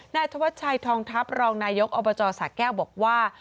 นายธวัชชัยทองทัพรองนายกอบจสะแก้วบอกว่า